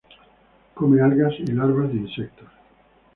Come algas y larvas de insectos.